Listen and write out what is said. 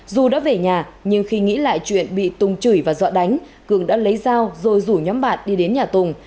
dù đã về nhà nhưng khi nghĩ lại chuyện bị tùng chửi và dọa đánh cường đã lấy dao rồi rủ nhóm bạn đi đến nhà tùng